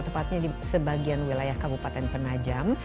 tepatnya di sebagian wilayah kabupaten penajam